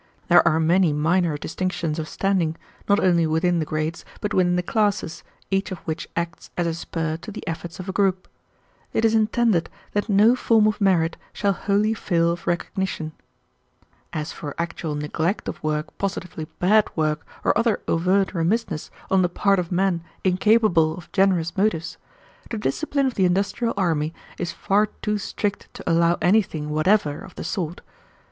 There are many minor distinctions of standing, not only within the grades but within the classes, each of which acts as a spur to the efforts of a group. It is intended that no form of merit shall wholly fail of recognition. "As for actual neglect of work positively bad work, or other overt remissness on the part of men incapable of generous motives, the discipline of the industrial army is far too strict to allow anything whatever of the sort.